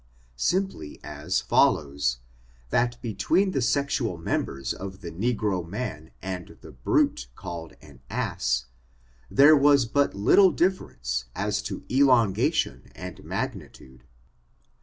Simply as follows : that between the sexu al members of the negro man and the brute called an ass, there was but little difference as to elongation and magnitude.